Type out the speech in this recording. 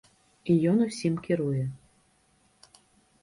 І ён усім кіруе.